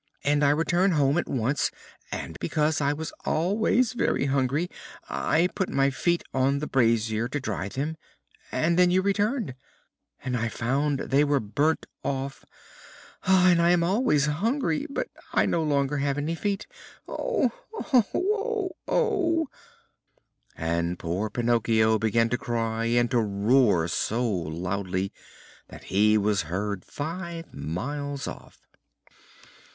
and I returned home at once, and because I was always very hungry I put my feet on the brazier to dry them, and then you returned, and I found they were burnt off, and I am always hungry, but I have no longer any feet! Oh! oh! oh! oh!" And poor Pinocchio began to cry and to roar so loudly that he was heard five miles off.